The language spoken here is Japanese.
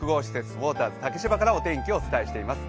ウォーターズ竹芝からお伝えしています。